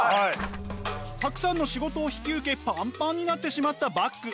たくさんの仕事を引き受けパンパンになってしまったバッグ。